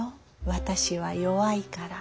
私は弱いから」。